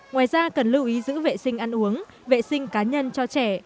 ngoài ra cần lưu ý giữ vệ sinh ăn uống vệ sinh cá nhân cho trẻ